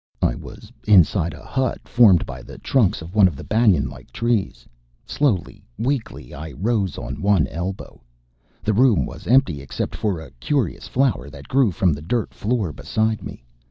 I was inside a hut formed by the trunks of one of the banyan like trees. Slowly, weakly I rose on one elbow. The room was empty except for a curious flower that grew from the dirt floor beside me.